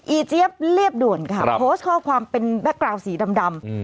เจี๊ยบเรียบด่วนค่ะโพสต์ข้อความเป็นแก๊กกราวสีดำ